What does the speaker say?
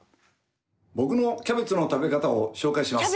僕のキャベツの食べ方を紹介します。